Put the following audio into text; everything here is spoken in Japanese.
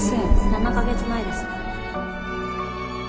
７か月前です